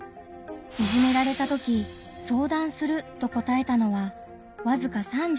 いじめられたとき「相談する」と答えたのはわずか３６．６％。